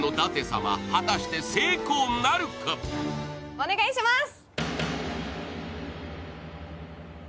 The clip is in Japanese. お願いします。